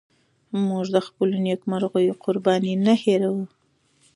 موږ د خپلو نيکونو قربانۍ نه هيروو.